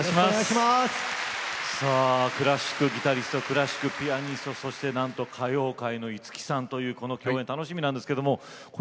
クラシックギタリストクラシックピアニストそしてなんと歌謡界の五木さんという共演が楽しみなんですが。